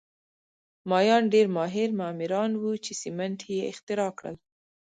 مایان ډېر ماهر معماران وو چې سیمنټ یې اختراع کړل